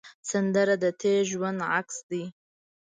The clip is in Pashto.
سندره د تېر ژوند عکس دی